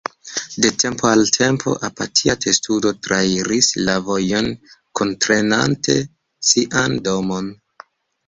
De tempo al tempo, apatia testudo trairis la vojon kuntrenante sian domon.